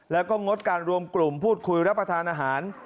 แล้วก็งดการรวมกลุ่มพูดคุยรับประทานอาหาร